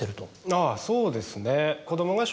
あぁそうですね。